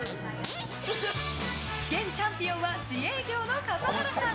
現チャンピオンは自営業の笠原さん。